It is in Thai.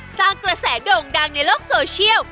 สร้างกระแสโด่งดังในโลกโซเชียล